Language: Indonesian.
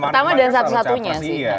pertama dan satu satunya